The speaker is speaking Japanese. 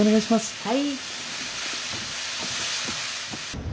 はい。